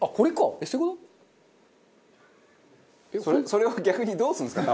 それを逆にどうするんですか？